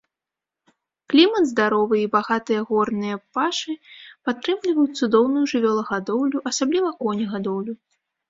Клімат здаровы, і багатыя горныя пашы падтрымліваюць цудоўную жывёлагадоўлю, асабліва конегадоўлю.